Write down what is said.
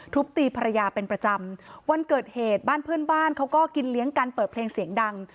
ตีภรรยาเป็นประจำวันเกิดเหตุบ้านเพื่อนบ้านเขาก็กินเลี้ยงกันเปิดเพลงเสียงดัง